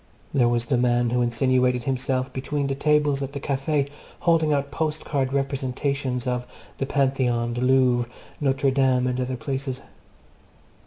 There was the man who insinuated himself between the tables at the Café, holding out postcard representations of the Pantheon, the Louvre, Notre Dame, and other places.